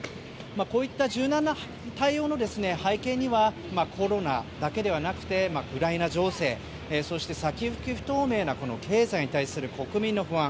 こういった柔軟な対応の背景にはコロナだけではなくてウクライナ情勢そして先行き不透明な経済に対する国民の不安。